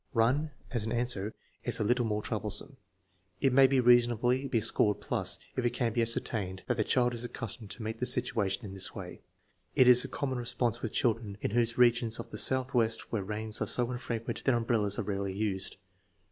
"Run" as an answer is a little more troublesome. It may reasonably be scored plus if it can be ascertained that the child is accustomed to meet the situation in this way. It is a com mon response with children in those regions of the Southwest where rains are so infrequent that umbrellas are rarely used.